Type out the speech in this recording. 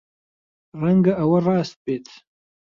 ڕەنگە ئەوە ڕاست بێت.